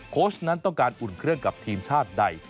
โค้ชนั้นต้องการอุ่นเครื่องกับทีมชาติใด